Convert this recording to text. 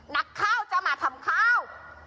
นักข้าวจะมาทำข้าว